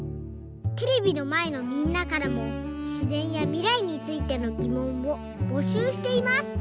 テレビのまえのみんなからもしぜんやみらいについてのぎもんをぼしゅうしています！